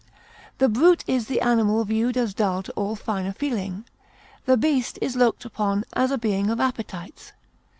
The brute is the animal viewed as dull to all finer feeling; the beast is looked upon as a being of appetites.